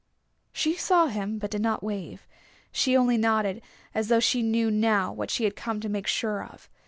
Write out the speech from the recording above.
She saw him, but did not wave. She only nodded, as though she knew now what she had come to make sure of.